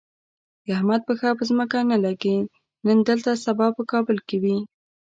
د احمد پښه په ځمکه نه لږي، نن دلته سبا په کابل وي.